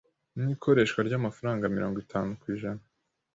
n’ikoreshwa ry’amafaranga mirongo itanu kwijana